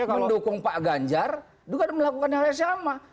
mendukung pak ganjar juga melakukan hal yang sama